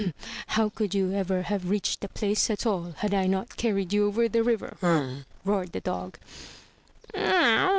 "How could you ever have reached the place at all had I not carried you over the river?" roared the dog.